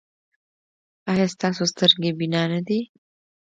ایا ستاسو سترګې بینا نه دي؟